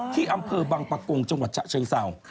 ที่อำเภอบังปะกงจังหวัดฉะเชิงเศร้า